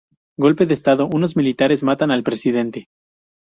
Golpe de estado: unos militares matan al presidente.